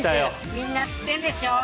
みんな知ってるでしょう。